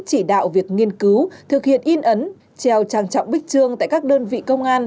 chỉ đạo việc nghiên cứu thực hiện in ấn treo trang trọng bích trương tại các đơn vị công an